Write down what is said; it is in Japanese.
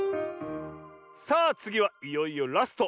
さあつぎはいよいよラスト。